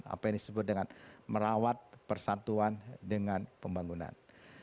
apa yang disebut dengan merawat persatuan dengan pembangunan